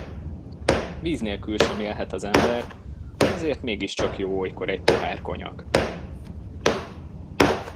Víz nélkül sem élhet az ember, azért mégiscsak jó olykor egy pohár konyak.